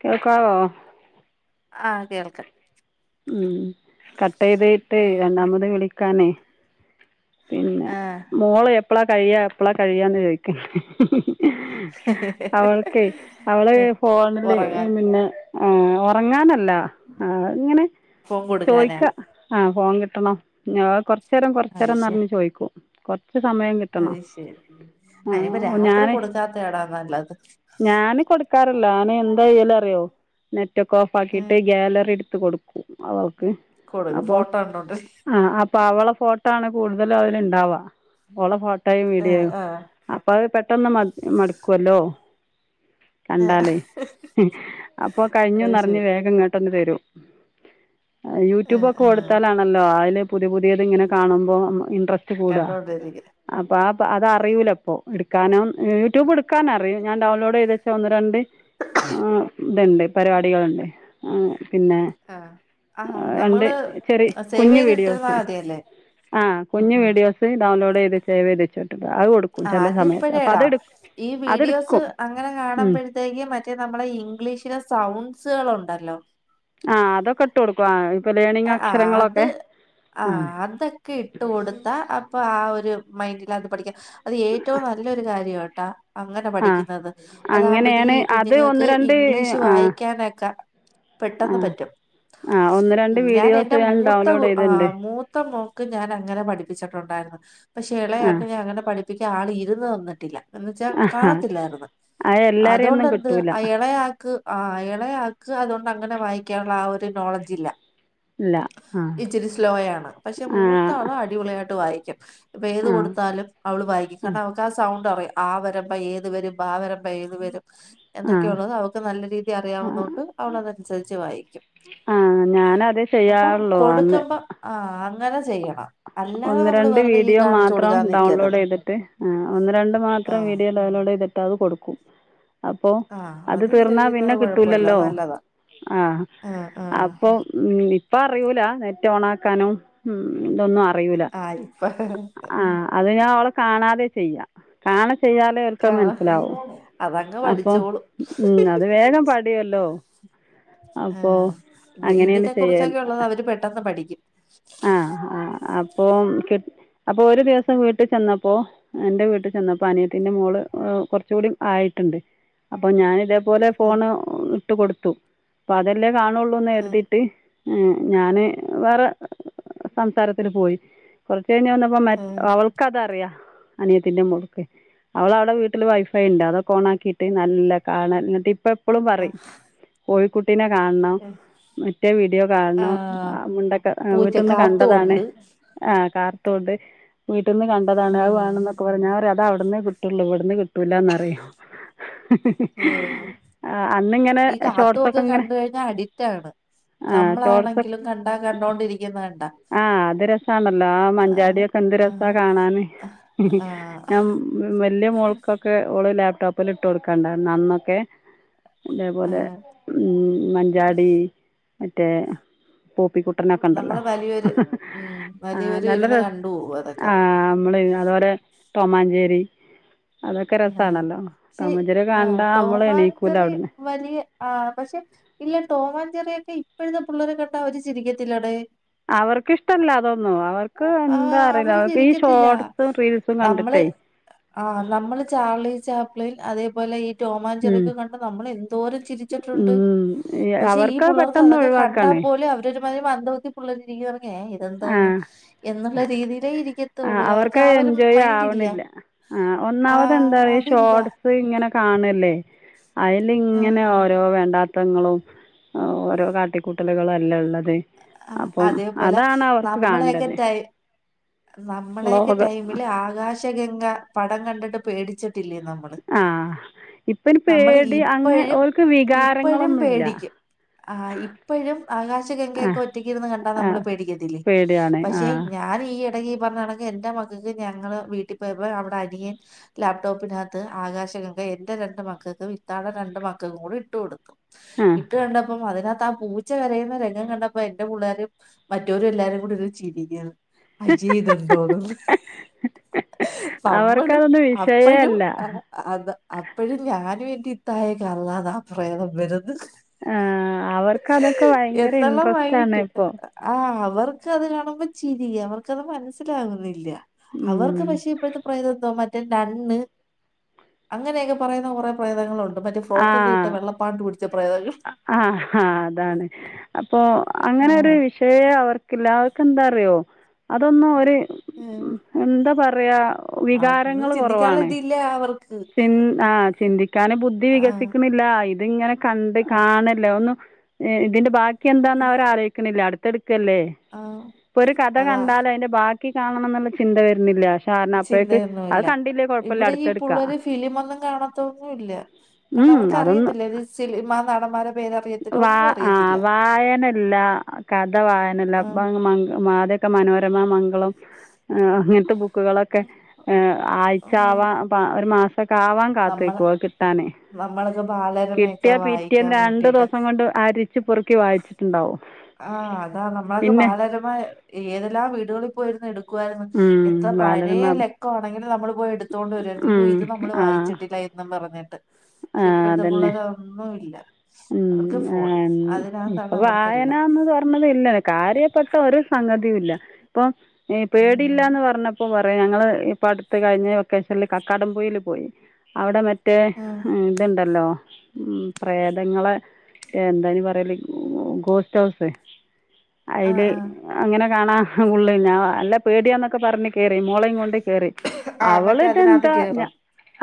കേൾക്കാമോ ആ കേൾക്കാം ഉം കട്ട് ചെയ്തേട്ടേ രണ്ടാമത് വിളി. ക്കാനെ. പിന്നെ ആഹ് മോളെ എപ്പളാ കഴിയാ എപ്പളാ കഴിയാന്ന് ചോദിക്കും അവൾക്ക് അവള് ഫോണിലെ ഉറങ്ങാൻ പിന്നെ ഉറങ്ങാനല്ല ആ ഇങ്ങനെ ഫോൺ കൊടുക്കാനാ ചോദിക്ക ആ ഫോൺ കിട്ടണം ഞ കൊറച്ച നേരം കൊർച് അത് ശരി [unintelligible] ചോദിക്കും കൊ അത് ശരി ആ അതിനിപ്പരാത്രി ഞാൻ കൊടുക്കാത്തയാടാ നല്ലത്. ല്ലാന് എന്താ ചെയ്യല് അറിയോ? നെ റ്റക്ക ഓഫ് ഉം ആ‌ക്കിയട്ട് ഗ്യാലറി എടു ത്ത് കൊടുക്കും അവ ക്ക് കൊടുക്കും അപ്പം ഫോട്ടോ കണ്ടോണ്ട് ആഹ് അ പ്പവള ഫോ ട്ടാണ് കൂടുതലും അതിലിണ്ടാവ ഓളെ ഫോ ട്ടേയും ആഹ് വീഡിയോയും ആഹ് അപ്പ അത് പെട്ടന്ന് മ മടുക്കുവല്ലോ കണ്ടാലേ അപ്പൊ അത് കഴിഞ്ഞൂന്നറിഞ്ഞു ശരി വേഗം ഇങ്ങ പെട്ടെന്ന് തരും ആഹ് യൂട്യൂബൊക്കെ ആഹ് കൊടുത്താലാണല്ലോ അയില് പുതി പുതിയത് ഇങ്ങനെ കാണുമ്പോ ഇട്രാ സ്റ്റ് കൂടാ കണ്ടോണ്ടിരിക്കും ആപ്പാ അതറിയുല്ലപ്പോ എടുക്കാനോ യൂട്യൂബ് എടുക്കാൻ അറിയൂ ഞാൻ ഡൗൺലോഡ് ചെതേച് ഒന്ന് രണ്ട് ആ ഇത്‌ണ്ട് പരിപാടികൾണ്ട് ആ പിന്നെ ആഹ് ആഹ് ആ രണ്ട് നമ്മള് ചെറി സേവ് കുഞ്ഞു ചെയ്തിട്ടിരുന്നാ വീഡിയോസ് മതിയല്ലേ ആ ഉം കുഞ്ഞു ഉം വീഡിയോസ് ഡൗൺലോഡ് ത് സേവ്ത്തേക്ക് വീടിച്ചാമതി അതിപ്പഴേടാ ഈ വീഡിയോസ് അതെടുക്കും അങ്ങനെ ഉം കാണുമ്പോഴത്തേക്കും മറ്റേ നമ്മെളെ ഇംഗ്ലീഷിലെസൗണ്ട്സ്കൾ ഉണ്ടല്ലോ ആ അതൊക്കെ ഇട്ട് കൊടുക്കുവ അ ആ അത് ആ അതൊക്കെ ഇട്ടു കൊടുത്താ അപ്പൊ ആ ഒരു മൈ ലാത് പഠിക്ക അത് ഏറ്റവും നല്ലൊരു കാര്യാന്ന് ട്ട അങ്ങനെ ആ പഠിക്കുന്നത് അങ്ങനെയാണ് അതാകുമ്പോഴത്തേക്കും ഈ അത് ഒന്ന് കുഞ്ഞുങ്ങൾക്ക് രണ്ട് ഇംഗ്ലീഷ് ആ വായിക്കാനൊക്കെ ആ പെട്ടെന്ന് പറ്റും ആ ഒന്ന് രണ്ട് ഞാൻ എന്റെ വീഡിയോസ് മൂത്ത ഡൗൺലോഡ് ആ ചെയ്തിട്ടുണ്ട് മൂത്ത മോക്ക് ഞാൻ അങ്ങനെ പഠിപ്പിച്ചിട്ടുണ്ട് ഉണ്ടാരുന്നു പക്ഷ ആ എളയാക് ഞാ അങ്ങനെ പഠി എനിക്ക് ആൾ ഇരുന്ന് തന്നിട്ടില്ല എന്ന്ച്ചാ ആ കാണത്തില്ലാരുന്നു അത് എല്ലാവരെയും ഒന്നും അതുകൊണ്ടന്ത് കിട്ടില്ല അ ഇളയാക്ക് ആ ഇളയാ ക്ക് അതുകൊണ്ട് അങ്ങനെ വായിക്കാനുള്ള ആ ഒരു നോളജ് ഇല്ല ഇല്ല ആ ഇച്ചിരി സ്ലോയാണ് പക്ഷെ ആ മൂത്ത ആള് അടിപൊളിയായിട്ട് വായി ക്യും ഇപ്പ ഏത് ആ കൊടുത്താലും അവള് വായിക്കും കാരണം അവക്ക് ആ സൗണ്ട് അറിയാം ആവരമ്പ ഏത് വരും ബാവരമ്പ ഏതു വരും ആ ആ എന്നൊക്കെയള്ളത് അവൾക്ക് നല്ല രീതി അറിയാവുന്നൊണ്ട് അവള തനുസരിച്ച് വായിക്കും ഞാനതെ അപ്പം ചെയ്യാറുള്ളു അന്ന് കൊടുക്കുമ്പോ ആ അങ്ങനെ ചെയ്യും ഒന്ന് രണ്ട് വീഡിയോ മാത്രം കൊടുക്കാൻ ഡൗൺലോഡ് നിക്കരുത് ചെയ്തിട്ട് ആഹ് ഒന്ന് രണ്ട് മാത്രം ആഹ് വീഡിയോ ഡൗൺലോഡ് ചെയ്തി ട്ടത് കൊടുക്കും. അപ്പോ ആഹ് അത് തീർന്നാ പിന്നെ ചെയ്യുന്നത് കൊഴപ്പല്ല കിട്ടൂലല്ലോ അത് നല്ലതാ ആഹ് അപ്പൊ ഉം ഇപ്പ അറിയൂലാ നെറ്റ് ഓണാക്കാനും ഉം ഇതൊന്നും അ റിയൂലാ ആഹ് ഇപ്പ ആഹ് അത് ഞാൻ ഓളെ കാണാതെ ചെയ്യാ കാണി ചെയ്യാലേ ഓൽക്ക് മൻസ്സിലാവും അതങ്ങ് അപ്പൊ പഠിച്ചോളും ഉം അത് വേഗം പഠി ടിയെല്ലോ ആഹ് ഇ ഇതിനെ കുറിച്ചൊക്കെ ചെയ്യൽ ഉള്ളത് അവര് പെട്ടെന്ന് പഠിക്കും അപ്പം കെട് അപ്പൊ ഒരു ദിവസം വീട്ട് ചെന്നപ്പൊ പ്പോ എന്റെ വീട്ട് ചെന്നപ്പ അനിയത്തിന്റെ മോള് ഏഹ് കൊർച്ചുംകൂടി ആയിട്ടുണ്ട് അപ്പ ഞാനിതേ തുപോലെ ഉം ഫോണ് ഇട്ട് കൊടു ത്തു അപ്പൊ അതെല്ലേ ആഹ് കാണുള്ളൂന്നെര്തിയിട്ട് ഏ ഞാന് വേറെ സംസാരത്തിനു പോയി കൊറ ച്ചയ്ഞ്ഞ് വന്നപ്പോ മ ആഹ് അവൾക്കതറിയാ അനിയത്തിന്റെ മോൾക്ക് അവളവിടെ വീട്ടില് വൈഫൈ ഉണ്ട് അതൊക്കെ ഓൺ ആക്കിയിട്ട് നല്ല കാണൽന്നിട്ട് ഇപ്പ ഇപ്പളും പറിം ആഹ് കോഴികു കുട്ടിനെ കാൺണം ആഹ് മറ്റേ വീഡിയോ കാണണം ആഹ് മുണ്ടക്കെ ഏ പൂച്ച വീട്ടന്ന് കാത്തു ള്ളതാണ് ഉണ്ട് ആ കാർട്ടൂൺ ഇണ്ട് വി പെട്ടന്ന് കണ്ടതാണ് അത് വേണ ഉം ന്നൊക്കെ പറയും ഞാ- ഇത്‌ അവിടുന്ന് കിട്ടുള്ളൂ ഇവിടുന്ന് കി ഏ ആ അന്നിങ്ങനെ ഈ ഷോർട്സൊക്കെ കാത്തുയൊക്കെ ഇങ്ങനെ കണ്ട് കഴിഞ്ഞാ അടിറ്റാണ് ആ നമ്മളാണെങ്കിലും കണ്ടാ കണ്ടോണ്ടിരിക്കുന്നത് കണ്ടാ ആഹ് അത് രസമാണല്ലോ ആ ആഹ് മഞ്ചാടിയൊക്കെ എന്ത് രസ ആഹ് കാണാൻ ആഹ് വലിയ മോൾക്കൊക്കെ ഇപ്പോ ലാപ്ടോപ്പിൽ ഇട്ട് കൊടുക്കാണ്ട നന്നൊക്കെ ഇതേപോലെ ആഹ് ഉ മഞ്ചാടി മറ്റേ പോപ്പിക്കു നൊക്കെ ഉണ്ടല്ലോ [unintelligible] ആ വലിയവര് നല്ല ഇരുന്ന് രസം കണ്ടു പോകും അതൊക്കെ ആ നമ്മൾ അതുപോലെ ടോമാഞ്ചേരി അതൊക്കെ ആ രസമാണല്ലോ ശ ടോമാഞ്ചേരി ആ കണ്ടാൽ നമ്മൾ എണീക്കില്ല ടോമാൻചെറി അവിടുന്ന് വലിയ ആ പക്ഷെ ഇല്ല ടോമാൻചെറിയ ഇപ്പഴത്തെ പിള്ളേരെ കേട്ടാ അവര് ചിരിക്കത്തില്ലാടേ അവർക്ക്ഷ്ടല്ല അതൊന്നും അവർക്ക് എന്താ ആഹ് അറീല്ല അവര് അവർക്ക് ഈ ചിരിക്കത്തില്ല ഷോർട്സും റീൽസും കണ്ടിട്ടേ ചാർളി ചാപ്പിളൻ അതേപോലെ ഉം രോമാഞ്ചറക്കെ കണ്ട നമ്മൾ എന്തോര ചിരിച്ചിട്ടുണ്ട് ഉം പക്ഷെ ഈ അവർക്ക് പുളർക്ക് പെട്ടെന്ന് അതൊക്കെ കണ്ടാൽ ഒഴിവാക്കുകയാണ് പോലെ അവര മന്ദബുദ്ധി പിള്ളേര് [unintelligible] എ ആ ഇതെന്തോന്ന് എന്നുള്ള രീതിയിലേ ആ ഇരിക്കത്തുള്ളൂ അവർക്ക് ആ ഒരു എൻജോയ് മൈന്റെ ഇല്ല ആവണില്ല ആ ഒന്നാമത് എന്താ അതില്ല ഷോർട്സ് ഇങ്ങനെ കാണൽ ലെ അതിൽ ആ, ഇങ്ങനെ ഓരോ വേണ്ടാ മത്തങ്ങളും ഓരോ കാട്ടിക്കൂട്ടലുകളും എലെ ഉള്ളത് ആ അപ്പം അതെ പോലെ അതാണ് അവർക്ക് നമ്മളെകെ കാണേണ്ടത് ടൈ നമ്മളെകെ വ്ളോഗ് ടൈമില് ആകാശ ഗംഗ കണ്ടിട്ട് പേടിച്ച് റ്റ് ലെ നമ്മള് ആ ഇപ്പം ഇനി നമ്മൾ പേടി അങ്ങനെ ഇപ്പോഴും അവർക്ക് ഇപ്പോഴും വികാരങ്ങളൊന്നുമില്ല പേടിക്കും ആ ഇപ്പോഴും ആകാശഗംഗ ആ ഒറ്റയ്ക്കിര്ന്ന് കണ്ടാ ആ നമ്മള് പേടിക്കത്തില്ലേ പേടിയാണ് ആ പക്ഷെ ഞാൻ ഈ ഇപ്പോ ഈ പറഞ്ഞാണെങ്കിൽ എന്റെ മക്കൾക്ക് ഞങ്ങൾ വീട്ടിൽ പോയപ്പോ അവിടെ അനിയൻ ലാപ്ടോപ്പിനകത്ത് ആകാശഗംഗ എന്റെ രണ്ട് മക്കൾക്ക് ഇത്താടെ രണ്ട് മക്കൾക്കും കൂടി ഇട്ട് കൊടുത്തു ആ ഇട്ട് കണ്ട അപ്പം അതിനകത്ത് ആ പൂച്ച കരയുന്ന രംഗം കണ്ട പ്പൊ എന്റെ പിള്ളോരും മറ്റൊരും എല്ലാരും കൂടി ഇരുന്ന് ചിരിക്കണ് അജീ ഇത് എന്തോന്നെന്നു നമ്മള് അവർക്കതൊന്നും വിഷയമേ അപ്പഴും അല്ല അത് അപ്പഴും ഞാനും ഇത്തായേക്ക് അല്ലാതെ ആ പ്രേതം വരുന്ന് ആ അവർക്ക് അതൊക്കെ ഭയങ്കര എന്നുള്ള ഇൻട്രസ് ആഹ് അവർക്ക് അത് കാണുമ്പോ മ്പോ ചിരി അവർക്കത് മനസ്സിലാകുന്നില്ല അവർക്ക് പക്ഷേ ഇപ്പോഴത്തെ പ്രേതം എന്തോ മറ്റ് കണ്ണ് അങ്ങനെയൊക്കെ പറയുന്ന കുറെേ പ്രേതങ്ങളുണ്ട് മറ്റേ ഫ്രോക്കൊക്കെ ഇട്ട ആഹ് വെള്ളപ്പാണ്ട് പിടിച്ച പ്രേതങ്ങൾ ആഹ് ആ അതാണ് അപ്പൊ അങ്ങനെ ഒരു ആഹ് വിഷയേ അവർക്കില്ല എന്താ അറിയോ അതൊന്നും ഓര് ഉം. എന്താ പറ പറയവാ അതൊന്നും ചിന്തിക്കാനിതില്ല അവർക്ക് ചി ആഹ് ചിന്തിക്കാന് ബുദ്ധി ആഹ് വികസിക്കുന്നില്ല ഇത് ഇങ്ങനെ കണ്ട് കാണല്ലോ ഒന്നും ഇതിന്റെ ബാക്കി- എന്താന്ന് അവര് ആലോചിക്കുന്നില്ല അടു- ല്ലേ ആഹ് ഇപ്പൊ ഒരു കഥ അതാ കണ്ടാല് അതിന്റെ ബാക്കി ക്കി കാണണം എന്നുള്ള ചിന്ത വരുന്നില്ല കാരണം അപ്പോഴേക്ക് അത് കണ്ടില്ലേ കുഴപ്പമില്ല അടുത്ത എടുക്ക് ള്ളരു ഫിലിമ് ഒന്നും കാണത്തൊന്നും ഇല്ല കാരണം അവർക്ക് അതൊന്നും അറിയത്തില്ല സിനിമ നടാന്മാരെടെ പേര് അറിയത്തില്ല വാ ഒന്നും ആ അറിയത്തില്ല വായന ഇല്ല ആഹ് ഒക്കെ മനോരമ മംഗളം അങ്ങനത്തെ ബുക്കുകളൊക്കെ ആഴ്ച്ച യാവാൻ ഒരു മാസം നമ്മളെ നമ്മളക്കെ ബാലരമയൊക്കെ കിട്ടിയ വായിക്കാൻ പിറ്റേന്ന് രണ്ട് വേണ്ടിട്ട് ദിവസം കൊണ്ട് അരിച്ച് പെറുക്കി വായിച്ചിട്ടുണ്ടാവും ആഹ് അതാ നമ്മളൊക്കെ പിന്നെ ബാലരമ ഏതെല്ലാം വീടുകളിപ്പോയിരുന്നു എടുക്കു വാരുന്നു ഉം എത്ര പഴയ ബാലരമ ലക്കം ആണെങ്കിലും നമ്മളെ പോയി എടുത്തോണ്ട് വരുവാരുന്നു ഇയ്യോ ഉം ഇത് നമ്മൾ ആ വായി- [unintelligible] എന്നും പറഞ്ഞ് ക്ഷെ ഇപ്പോഴത്ത പുള്ളര ഒന്നും ഇല്ല. ഉം ആഹ് ഇപ്പൊ അതിനകത്താണ് അവർക്കെല്ലാം വായനന്ന് പറഞ്ഞതില്ല കാര്യപെട്ട ഒരു സംഗതിയുല്ല ഇപ്പൊ ഉം പേടില്ലാന്ന് പറന്നപ്പോ പ ഞങ്ങള് ഇപ്പ അടുത്ത് കഴിഞ്ഞ വൊക്കേഷനില് കക്കാടംപുയിൽ പോയി അവടെ മെ - റ്റേ ആഹ് ഇത്ണ്ടല്ലോ. ഉം പ്രേ തങ്ങളെ എന്തായിന് പറയല് ഗോസ്റ്റ് ഹൗസ്. ആഹ് അയില് ആഹ് അങ്ങനെ കാണാ ഉള്ളൂ ഞാ ല്ല പേടിയാന്നൊക്കെ പറഞ് കേറി മോളേം കൊണ്ട് കേറി ആഹ് അവള് മറ്റേ അതിനകത്ത് ഇതെന്താ ഞ കേറും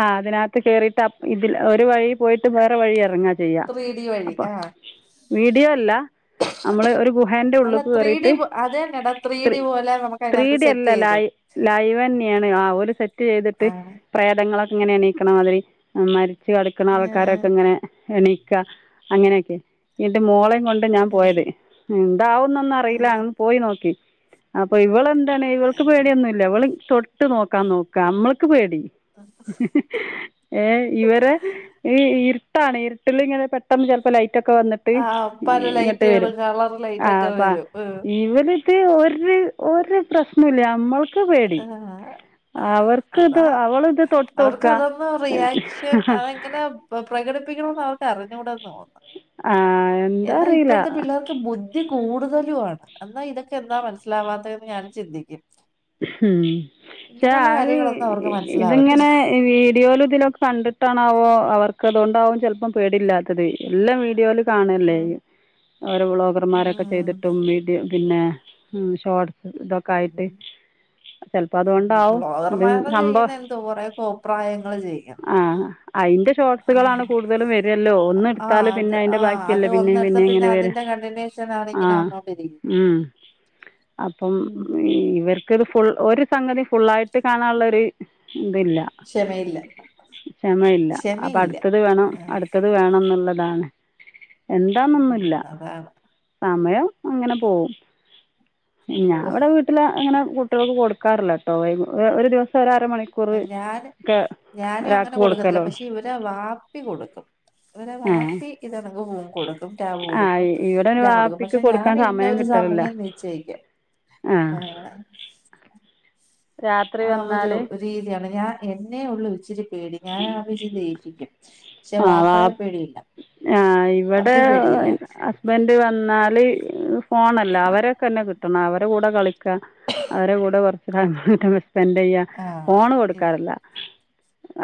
ആഹ് അതിനത്ത് കേറിട്ട് അപ് ഇതിൽ ഒരു വഴി പോയിട്ട് വേറെ വഴി എറങ്ങാ പ്രീതി വഴി ആഹ്. വീഡിയോ അല്ല. നമ്മള് ഒരു ഗുഹേന്റെ അല്ല ഉള്ളിക്ക് ത്രീ ഡി കേറിട്ട് അത് തന്നെടാ ത്രീ ഡി പോലെ നമുക്ക് അതിനകത്ത് ത്രീഡി സെറ്റ് അല്ല ചെയ്ത് ലൈ ലൈവന്നെയാണ് ആ ഒല് സെറ്റ് ചെയ്തിട്ട് ആണ് പ്രേതങ്ങള ഇങ്ങനെയാണീക്കണ മാതിരി അമ്മാ ച്ച് കടക്കുന്ന ആൾക്കാരൊക്കെ ഇങ്ങനെ എണിക്ക അങ്ങനെയൊക്കെ ഇന്റെ മോളെ കൊണ്ട് ഞാൻ പോയത് എന്താവുന്നൊന്നും അറിയില്ല അന്ന് പോയി നോക്കി. അപ്പൊ ഇവളെന്താണ് ഇവൾക്ക് പേടിയൊന്നുംല്ല. ഇവള് തൊട്ട് നോക്കാം നോക്കാ നമ്മൾക്ക് പേടി. ഏ ഇവരെ ഈ ഇ ഇട്ടാണ് ഇരിട്ടിലിങ്ങനെ പെട്ടെന്ന് ചെലപ്പോ ലൈ റ്റൊക്കെ വന്നിട്ട് ആഹ് പല ഇങ്ങോട്ട് ലൈറ്റുകളും വരും കളർ ലൈറ്റ് ആ ഒക്കെ അപ്പ വരും ഇവര് ഒര് ഒര് പ്രശ്ന ഇല്ല ഞമ്മൾ ക്ക് പേടി ആഹ് അവർക്ക് ഇത് അതാ അവള്ത് തൊട്ടോക്ക അവർക്ക് അതൊന്നും പ്രകടിപ്പിക്കണോന്ന് അവർക്ക് അറിഞ്ഞുടന്ന് തോന്നണ്. ആഹ്. എന്നാ ഇപ്പോഴത്തെ പിള്ളേർക്ക് ബുദ്ധി കൂടുതലു ആണ്. എന്നാ ഇതൊക്കെ എന്താ മനസ്സിലാവാതെന്ന് ഞാന് ചിന്തിക്കും. ഉം പക്ഷെ ഇങ്ങനെയുള്ള അത് കാര്യങ്ങളൊന്നും അവർക്ക് മനസ്സിലാവത്തില്ല ഇതിങ്ങനെ വീഡിയോൽ ഇതിലൊക്കെ കണ്ട് ണോ അവർക്കതണ്ടാവും ചെലപ്പം പേടില്ലാത്തത് എല്ലാ വീഡിയോയിലും കാണല്ലേ ഉം ഓരോ വ്ളോഗർമാരൊക്കെ ഉം ചെയ്തിട്ടും മീഡിയ പിന്നെ ഷോട്ട് ഇതൊക്കെ ആയിട്ട് ചിലപ്പോൾ അതുകൊണ്ടാവും ഇത് വ്ലോഗർമാരു ചെയ്യുന്ന സംഭവം എന്ത്‌ കുറെേ കോപ്രായങ്ങള് ചെയ്യുന്നു ഷോട്സ്കൾ ആണ് ആഹ് കൂടുതലും വരുവല്ലോ ഒന്ന് ആഹ് എടുത്താൽ അത് പിന്നെ അയിന്റെ ആഹ് അത് ബാക്കിയല്ലേ പിന്നെയും ഒന്നെടുത്ത പിന്നെയും പിന്നെ ഇങ്ങനെ വരുക അതിന്റെ കണ്ടിന്യൂഷൻ ആണ് ഇങ്ങനെ ആഹ് വന്നോണ്ടിരിക്കുന്നത് ഉം അപ്പോം ഉം - ഒരു ഫുൾ ഒരു സംഗതി ഫുള്ളായിട്ട് കാണാനുള്ള ഒരു ഇതില്ല ക്ഷമയില്ല ക്ഷമയില്ല അപ്പൊ ക്ഷമയില്ല അടുത്തത് വേണം ആഹ് അടുത്തത് വേണന്നുള്ളത് ആണ് എന്താന്നൊന്നും ഉം ഇല്ല അതാണ് സമയം അങ്ങനെ പോവും അപ്പൊ ഞാൻ ഇവിടെ വീട്ടിൽ അങ്ങനെ കുട്ടികൾക്ക് കൊടുക്കാറില്ലാട്ടോ ഒരു ദിവസ രാ ഞാൻ ഞാനും അങ്ങനെ ഒരാൾക്ക് കൊടുക്കത്തില്ല കൊടുക്കലുള്ളൂ പക്ഷെ ഇവരെ വാപ്പി കൊടുക്കും ഇവരെ ആ വാപ്പി ഇതെക്കണക്ക് ഫോൺ കൊടുക്കും ടാബ് ആ കൊടുക്കും ഇവിടെ പിന്നെ എല്ലാം കൊടുക്കും വാപ്പിക്ക് പക്ഷെ ഞാൻ കൊടുക്കാൻ സമയം ഇന്നൊരു കിട്ടലില്ല സമയം നിച്ഛയിക്കും ആ ഏഹ് രാത്രി ആ ഒരു വന്നാൽ രീതിയാണ് ഞാൻ എന്നെ ഉള്ളൂ ഇച്ചിരി പേടി ഞാൻ ആവുമ്പോ ഇച്ചിരി ദേഷിക്കും പക്ഷെ വാപ്പായെ ആഹ് പേടിയില്ല ആഹ് ഇവിടെ പപ്പി പേടിയില്ല ഹസ്ബൻഡ് വന്ന നാല് പോണല്ല അവരക്കന്നെ ക് അവരെ കൂടെ കളി ക്ക അവരെ കൂടെ വർ [unintelligible] സ്പെൻഡയ്യാ ആ ഫോണ് ഇ- കൊടുക്കാറില്ല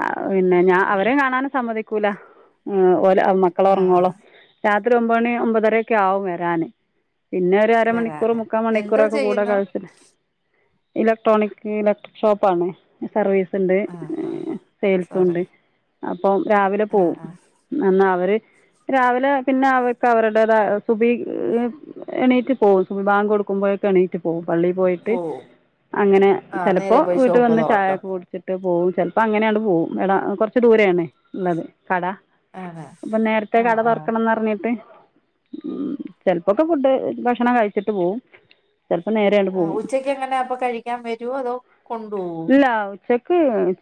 അഹ് പിന്നെ ഉം ഞാൻ ഉം അവരെ കാണാനും സമ്മതി - കുല ഉം ഒ [unintelligible] മക്കൾ ആ ഉറങ്ങോളോ രാ ഒരു ഒമ്പണി ഒമ്പതരൊക്കെ ആവും വരാന് പിന്നെ ഒരരമണിക്കൂർ വരാന് മുക്കാ മണിക്കൂർ എന്തോ ഒക്കെ കൂട ചെയ്യുന്നു കളിച് ഇലക്ട്രോണിക് ഇലക്ട്രിക് ഷോപ്പാണ് സർവീസ് ണ്ട് ആ ആ സോറി സേൽസുണ്ട് അപ്പോം രാവിലെ ആ പോവും ആ നന്നാ അവര് രാവിലെ പിന്നെ അവർക്ക് അവര്ടേതായ സുബി [unintelligible] എണീറ്റ് പോവും സുബി ബാങ്ക് കൊടുക്കുമ്പോയെക്കും എണീറ്റ് പോവും പള്ളിൽ പോയിട്ട് പോവും അങ്ങനെ ആ ചെലപ്പോ നേരെ പോയി വീട്ടി ഷോപ്പ് വന്ന് തുറക്കും ചായക്കെ കുടിച്ചി ട്ട് പോം ചെൽപ്പം അങ്ങനെയാണ്ട് പോവും എള കൊർച്ച് ദൂരേണേ ള്ളത് കട ആണ് അപ്പം നേരത്തെ ആ കട ആ തൊർക്കണംന്നർഞ്ഞിട്ട് മ്മ് ചെൽപ്പൊക്കെ ഫുഡ് ഭക്ഷണം കയിച്ചിട്ട് പോവും ചിലപ്പോൾ നേരെ അങ്ങട് പോവും ഉച്ചക്ക് എങ്ങനെ അപ്പൊ കഴിക്കാൻ വരുവോ അതോ കൊണ്ടോ ഇല്ലാ ഉച്ചക്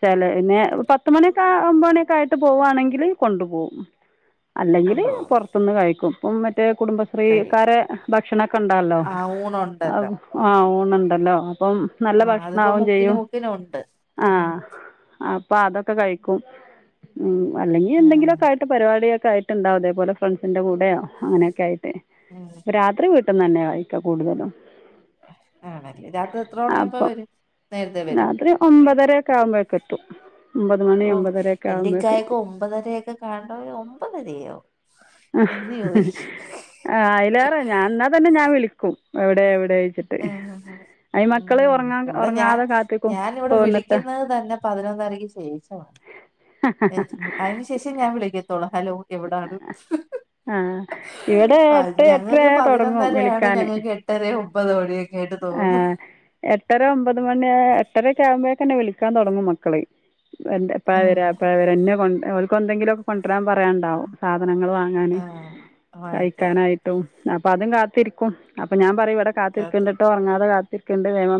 ചെലേ ന്ന് പത്ത്മണിയൊ ഒമ്പണിയൊക്കായിട്ട് പോവാണെങ്കില് കൊണ്ട് പോവും അല്ലെങ്കിൽ കൊണ്ടുപോകും പൊറത്ത്ന്ന് കഴിക്കും [unintelligible] മറ്റേ കഴിക്കാൻ കുടുംബശ്രീക്കാരെ ഭക്ഷണൊക്കെ ഉണ്ടല്ലോ ആ ആ ഊണുണ്ടല്ലോ ഓ ഊണൊണ്ടല്ലോ അപ്പം നല്ല ആ അതിപ്പോ ഭക്ഷണാവും ചെയ്യും മുക്കിന് ഒണ്ട് അപ്പൊ അതൊക്കെ കഴിക്കും മ്മ് അല്ലെങ്കി ആ എന്തെങ്കിലൊക്കായിട്ട് പരിവാടികൾ ഒക്കായിട്ട്ണ്ടാവും ഇതേപോലെ ഫ്രണ്ട്സിന്റെ കൂടെയോ അങ്ങയൊനൊക്കെ ആയിട്ട് ഉം രാത്രി വിട്ട് വീട്ട്ന്നെന്നെ കഴിക്ക കൂടുതലും ആണല്ലേ രാത്രി എത്ര മണിയാവുമ്പ അപ്പം വരും നേരതെ രാത്രി ഒമ്പതരയൊക് കാവുമ്പോഴേക്കെത്തും ഓ എന്റെക്കായൊക്കെ ഒമ്പതരയൊക്കെ കണ്ടാ ഒമ്പതരയോ എന്ന് ചോദിക്കും ആ അയിലേറെ ഞാൻ എന്നാ തന്നെ ഞാൻ വിളിക്ക് ക്കും എവിടെ എവിടെ ചോയ് മ്മ് ഇവിടെ ഞാൻ ഉറങ്ങാതെ കാത്തിരിക്കും ഞൻ ഇവിടെ ഇപ്പോൾ വന്നിട്ട് വിളിക്കുന്നത് തന്നെ പതിനൊന്നരക്ക് ശേഷമാ അയിന് ശേഷേ ഞാൻ വിളിക്കത്തൊള്ളു ഹലോ എവിടാണ് ആ ഇവിടെ ആ എട്ട് എട്ടര ഞങ്ങക്ക് തുടങ്ങും പതിനൊന്നരയാണ് വിളിക്കാൻ ഞങ്ങൾക്ക് എട്ടരയും [unintelligible] ആ എട്ടര ഒമ്പത് മണി എട്ടരൊക്കാവുമ്പോഴേക്കെന്നെ വിളിക്കാൻ തൊടങ്ങും മക്കള് എന്ത എപ്പഴാ ഉം വെരാ എപ്പഴാ വെരാ ഇന്നെ കൊണ്ട് ഓൽ കെന്തെങ്കിലൊക്കെ കൊണ്ടൊരാൻ പറയാണ്ടാവും സാധ് സാധനങ്ങൾ വാങ്ങാൻ ആ വാങ്ങിക്കാൻ കഴിക്കാനായിട്ടും അപ്പൊ അതും കാത്തിരിക്കും അപ്പൊ ഞാൻ പറയും ഇവിടെ കാ എന്നിട്ട് ഉറങ്ങാതെ കാ രിക്കേണ്ടെ വേണം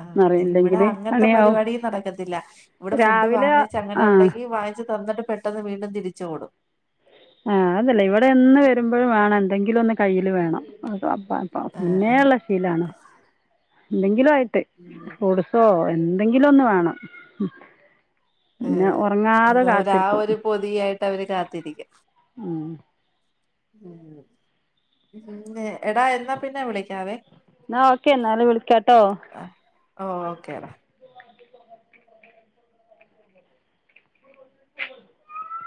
ആ ഇവിടെ അങ്ങനത്തെ പണിയാവും പരിപാടീം നടക്കത്തില്ല ഇവിടെ ഫുഡ് രാവിലെ വാങ്ങിച്ച് അങ്ങനെ ആ ഉണ്ടെങ്കി വാങ്ങിച്ച തന്നിട്ട് പെട്ടെന്ന് വീണ്ടും തിരിച്ച് ഓടും ആ അതല്ലേ ഇവിടെ എന്ന് വരുമ്പോഴും വേണം എന്തെങ്കിലും ഒന്ന് കയ്യിൽ വേണം പാ [unintelligible] ആഹ് ആഹ് മുന്നേള്ള ശീലാണ് എന്തെങ്കിലും ആയി ഉം ട്ട്ഫ്രൂട്സൊ എന്തെങ്കിലും ഒന്ന് വേണം ഏ പിന്നെ ഉറങ്ങാതെ അത് അവര് ആ കാത്തിരിക്കും ഒരു പൊതി ആയിട്ട് അവര് കാത്തിരിക്കും ആ ഉം എടാ എന്നാ പിന്നെ വിളിക്കാവെ ന്നാ ഓക്കെ എന്നാല് വിളിക്കാട്ടോ ഓ ഓക്കേടാ